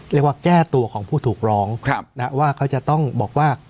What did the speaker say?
เรียกว่าแก้ตัวของผู้ถูกร้องว่าเขาจะต้องบอกว่า